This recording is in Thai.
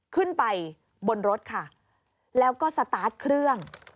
ขึ้นไปบนรถค่ะแล้วก็สตาร์ทเครื่อง